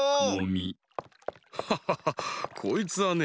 ハハハハこいつはね